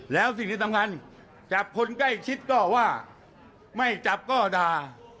แล้วสิ่งที่สำคัญจับคนใกล้ชิดก็ว่าไม่จับก็ด่า